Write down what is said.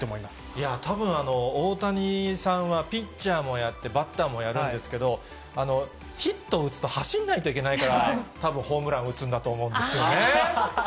いや、たぶん、大谷さんはピッチャーもやって、バッターもやるんですけれども、ヒット打つと走んないといけないから、たぶん、ホームラン打つんだと思うんですよね。